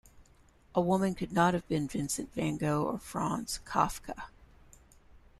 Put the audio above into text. A woman could not have been Vincent van Gogh or Franz Kafka.